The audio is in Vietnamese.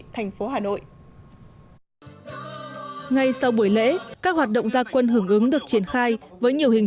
thành phố hà nội ngay sau buổi lễ các hoạt động gia quân hưởng ứng được triển khai với nhiều hình